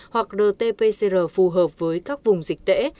hoặc rt pcr phù hợp với các vùng dịch tễ